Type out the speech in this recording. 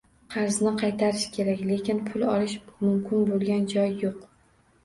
Qarzni qaytarish kerak, lekin pul olish mumkin bo‘lgan joy yo‘q.